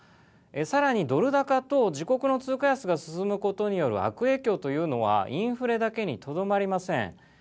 さらにドル高と自国の通貨安が進むことによる悪影響というのはインフレだけにとどまりません。